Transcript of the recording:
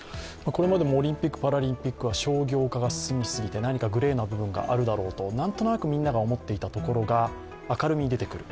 これまでもオリンピック・パラリンピックは商業化が進みすぎて何かグレーな部分があるだろうと何となくみんなが思っていたところが明るみに出てくる。